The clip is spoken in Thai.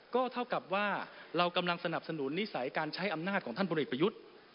ก็เท่ากับว่าเรากำลังสนับสนุนนิสัยการใช้อำนาจของท่านพลเอกประยุทธ์